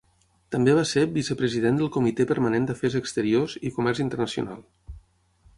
També va ser vicepresident del Comitè Permanent d'Afers Exteriors i Comerç Internacional.